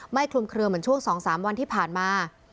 คลุมเคลือเหมือนช่วง๒๓วันที่ผ่านมา